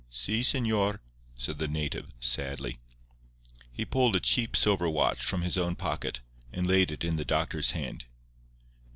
"Si, Señor," said the native, sadly. He pulled a cheap silver watch from his own pocket and laid it in the doctor's hand.